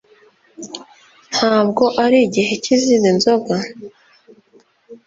Ntabwo ari igihe cyizindi nzoga?